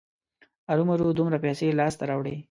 ارومرو دومره پیسې لاسته راوړي.